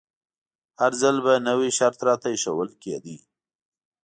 هر ځل به نوی شرط راته ایښودل کیده.